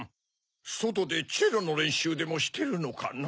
そとでチェロのれんしゅうでもしてるのかな？